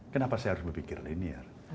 kenapa saya harus berpikir linear